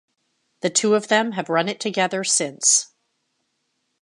The two of them have run it together since.